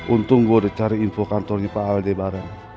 untung gue udah cari info kantornya pak adibarang